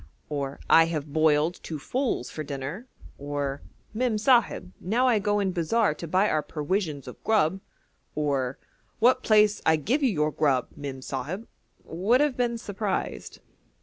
'I have boiled two foals for dinner,' or 'Mem Sahib, now I go in bazaar to buy our perwisions of grub,' or 'What place I give you your grub, Mem Sahib?' would have been surprised.